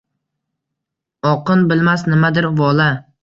Oqin bilmas nimadir vola.